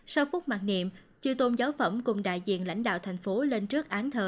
sau phút mặc niệm chư tôn giáo phẩm cùng đại diện lãnh đạo thành phố lên trước án thờ